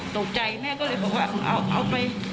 ตกใจแม่ก็เลยบอกว่าเอาไป